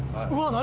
何？